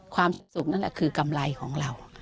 ความสุขนั่นแหละคือกำไรของเรา